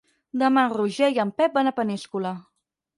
Demà en Roger i en Pep van a Peníscola.